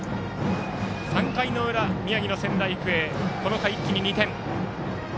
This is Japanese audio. ３回の裏、宮城の仙台育英この回、一気に２点。